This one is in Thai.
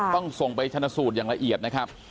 ต้องส่งไปชนะสูตรอย่างละเอียดนะครับ